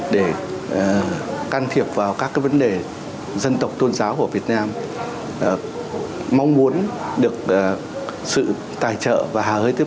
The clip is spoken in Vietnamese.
để can thiệp vào các vấn đề dân tộc tôn giáo của việt nam mong muốn được sự tài trợ và hào hơi tiếp